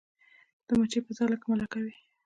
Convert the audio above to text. د مچۍ په ځاله کې ملکه وي